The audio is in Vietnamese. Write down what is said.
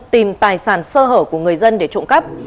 tìm tài sản sơ hở của người dân để trộm cắp